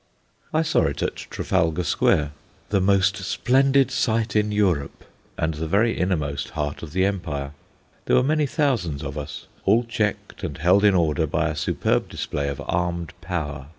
I saw it at Trafalgar Square, "the most splendid site in Europe," and the very innermost heart of the empire. There were many thousands of us, all checked and held in order by a superb display of armed power.